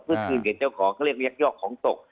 สึกกึ่งไงเจ้าของเขาเรียกเลี้ยกยอกของตก